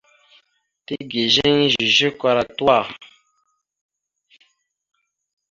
Tigizeŋ ezœzœk ara tuwa.